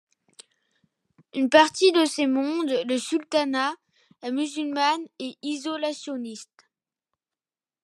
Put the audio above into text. Une partie de ces mondes, le Sultanat, est musulmane et isolationniste.